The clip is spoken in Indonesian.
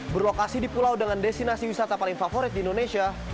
berlokasi di pulau dengan destinasi wisata paling favorit di indonesia